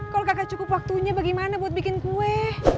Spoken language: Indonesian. kalau kakak cukup waktunya bagaimana buat bikin kue